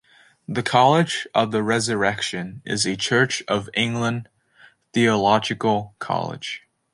The College of the Resurrection is a Church of England theological college.